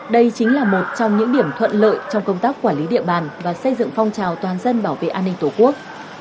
đây chính là một trong những điểm thuận lợi trong công tác quản lý địa bàn và xây dựng phong trào toàn dân bảo vệ an ninh tổ quốc